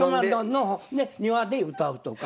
の庭で歌うとか。